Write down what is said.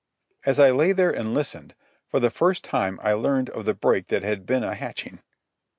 As I lay there and listened, for the first time I learned of the break that had been a hatching.